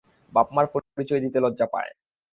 বাপ-মার পরিচয় দিতে লজ্জা পায়।